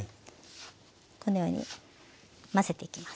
このように混ぜていきます。